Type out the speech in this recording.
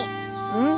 うん。